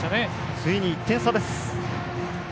ついに１点差です。